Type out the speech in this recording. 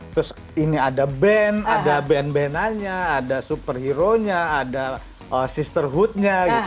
terus ini ada band ada band bandannya ada superheronya ada sisterhoodnya